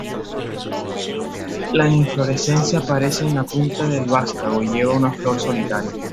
La inflorescencia aparece en la punta del vástago y lleva una flor solitaria.